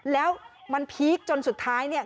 แล้วมันพีคจนสุดท้าย